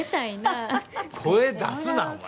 声出すな、お前。